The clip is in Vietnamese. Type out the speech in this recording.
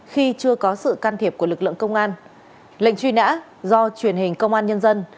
khi chưa có sự can thiệp của lực lượng công an lệnh truy nã do truyền hình công an nhân dân